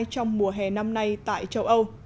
trong mùa hè năm nay tại châu âu